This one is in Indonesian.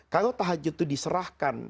kalau tahajud itu diserahkan